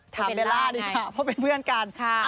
ถามเวลาดิก่อนเพื่อเป็นเพื่อนกัน